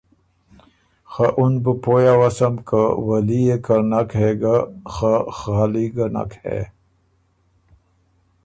خه اُن بُو پویٛ اؤسم که ”ولي يې که نک هې ګۀ، خه خالی ګۀ نک هې“